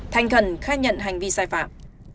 thành khẩn khai nhận hành vi sai phạm